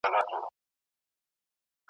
چي رګونه مي ژوندي وي له سارنګه له ربابه ,